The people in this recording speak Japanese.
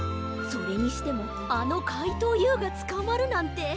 それにしてもあのかいとうＵがつかまるなんて。